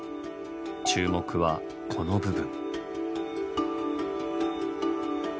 注目はこの部分。